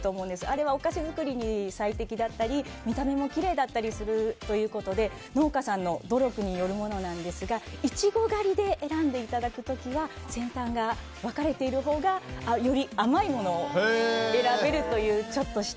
あれはお菓子作りに最適だったり見た目もきれいだったりするということで農家さんの努力によるものなんですがイチゴ狩りで選んでいただく時は先端が分かれているほうがより甘いものを選べるという。